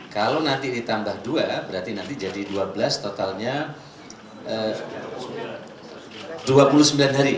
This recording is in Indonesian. kalau nanti ditambah dua berarti nanti jadi dua belas totalnya dua puluh sembilan hari